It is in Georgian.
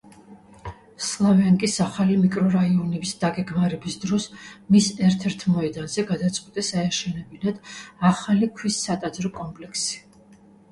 სლავიანკის ახალი მიკრორაიონის დაგეგმარების დროს, მის ერთ-ერთ მოედანზე, გადაწყვიტეს აეშენებინათ ახალი ქვის სატაძრო კომპლექსი.